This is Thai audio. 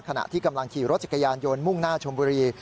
ขณะที่กำลังขี่รถจักรยานยนต์มุ่งหน้าชมบุรี